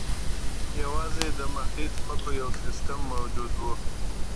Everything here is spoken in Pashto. یوازې د محلي ځمکو یو سیستم موجود و.